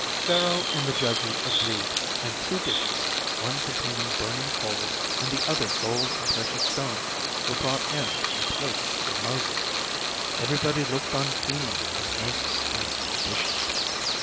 Pharaoh and the judges agreed, and two dishes, one containing burning coals and the other gold and precious stones were brought in and placed before Moses. Everybody looked on keenly as Moses stared at the dishes.